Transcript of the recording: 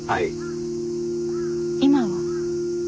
今は。